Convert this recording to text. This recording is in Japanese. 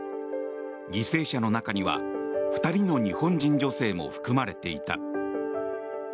犠牲者の中には２人の日本人女性も含まれていた。